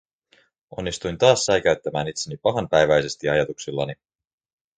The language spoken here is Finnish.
Onnistuin taas säikäyttämään itseni pahanpäiväisesti ajatuksillani.